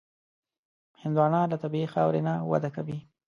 هندوانه له طبیعي خاورې نه وده کوي.